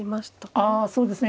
あそうですね。